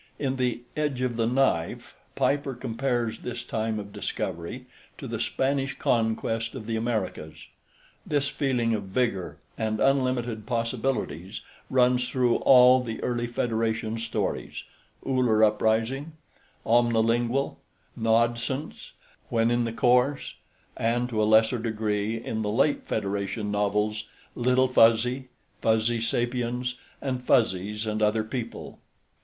In "The Edge of the Knife" Piper compares this time of discovery to the Spanish conquest of the Americas. This feeling of vigor and unlimited possibilities runs through all the early Federation stories: Uller Uprising, "Omnilingual," "Naudsonce," "When in the Course ," and, to a lesser degree, in the late Federation novels, Little Fuzzy, Fuzzy Sapiens, and Fuzzies and Other People.